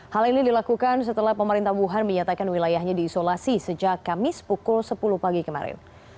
hal ini dilakukan setelah pemerintah wuhan menyatakan wilayahnya diisolasi sejak kamis pukul sepuluh pagi kemarin